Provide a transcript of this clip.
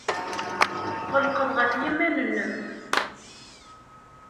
Tɣelqeḍ ɣef yiman-nnem.